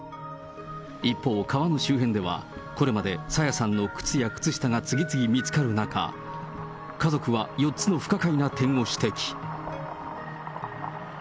一方、川の周辺では、これまで朝芽さんの靴や靴下が次々見つかる中、家族は４つの不可解な点を指摘。